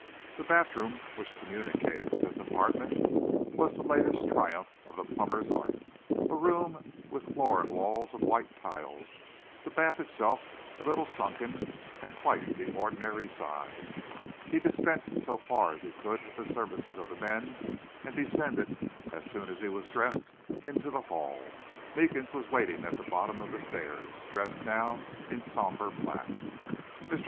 The bathroom which communicated with his apartment was the latest triumph of the plumber's art a room with floor and walls of white tiles, the bath itself a little sunken and twice the ordinary size. He dispensed so far as he could with the services of the men and descended, as soon as he was dressed, into the hall. Meekins was waiting at the bottom of the stairs, dressed now in somber black. "Mr.